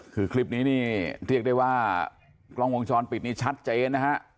คือคลิปนี้นี่เรียกได้ว่ากล้องวงจรปิดนี้ชัดเจนนะฮะ